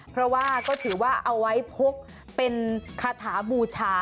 เพราะว่าก็ถือว่าเอาไว้พกเป็นคาถาบูชา